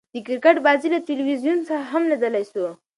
د کرکټ بازۍ له تلویزیون څخه هم ليدلاى سو.